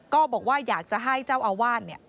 ก็บอกว่าอยากจะให้เจ้าอาวาสเนี่ย